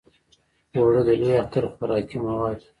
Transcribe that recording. اوړه د لوی اختر خوراکي مواد دي